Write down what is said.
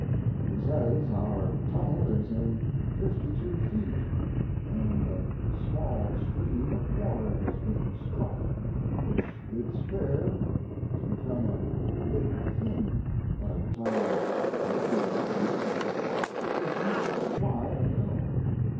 He says our tunnel is in 52 feet, and a small stream of water has been struck, which bids fair to become a "big thing" by the time the ledge is reached sufficient to supply a mill.